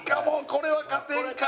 これは勝てんか。